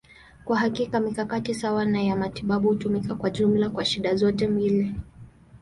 Kwa hakika, mikakati sawa ya matibabu hutumika kwa jumla kwa shida zote mbili.